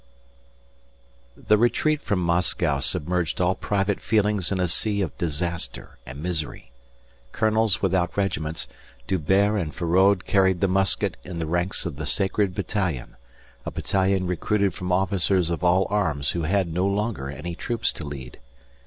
III The retreat from Moscow submerged all private feelings in a sea of disaster and misery. Colonels without regiments, D'Hubert and Feraud carried the musket in the ranks of the sacred battalion a battalion recruited from officers of all arms who had no longer any troops to lead.